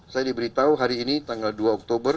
saya diberitahu hari ini tanggal dua oktober